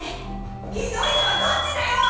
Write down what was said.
ひどいのはどっちだよ！